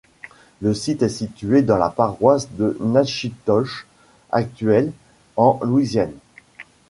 Le site est situé dans la paroisse de Natchitoches actuelle, en Louisiane.